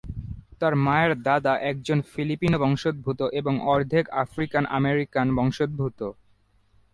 তার মায়ের দাদা একজন ফিলিপিনো বংশোদ্ভূত এবং অর্ধেক আফ্রিকান-আমেরিকান বংশোদ্ভূত।